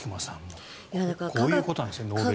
こういうことなんですねノーベル賞。